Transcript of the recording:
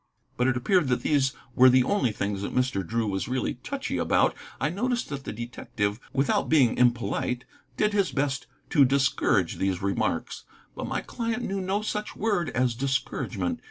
But it appeared that these were the only things that Mr. Drew was really touchy about. I noticed that the detective, without being impolite, did his best to discourage these remarks; but my client knew no such word as discouragement.